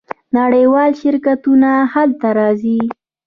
نړیوال شرکتونه هلته راځي.